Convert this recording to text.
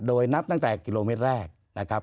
โดยนับตั้งแต่กิโลเมตรแรกนะครับ